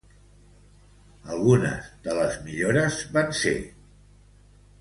Algunes de les millores van ser.